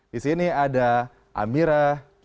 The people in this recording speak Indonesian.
di sini ada amira